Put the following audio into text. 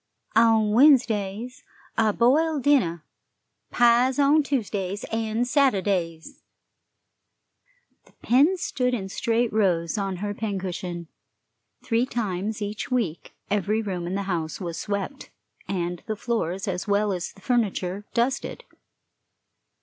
On Wednesdays, a boiled dinner. Pies on Tuesdays and Saturdays." The pins stood in straight rows on her pincushion; three times each week every room in the house was swept, and the floors, as well as the furniture, dusted.